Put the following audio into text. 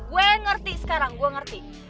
gue ngerti sekarang gue ngerti